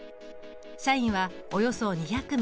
社員はおよそ２００名。